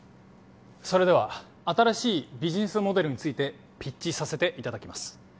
それでは新しいビジネスモデルについてピッチさせていただきます